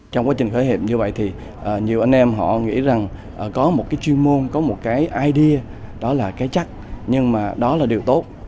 trong quá trình khởi nghiệp như vậy thì nhiều anh em họ nghĩ rằng có một cái chuyên môn có một cái idea đó là cái chắc nhưng mà đó là điều tốt